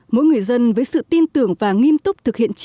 mỗi người dân với sự tin tưởng và nghiêm túc thực hiện trị đạo của chính phủ